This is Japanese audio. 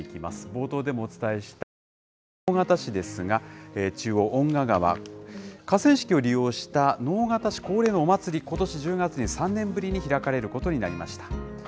冒頭でもお伝えした福岡県の直方市ですが、中央、遠賀川、河川敷を利用した直方市恒例のお祭り、ことし１０月に３年ぶりに開かれることになりました。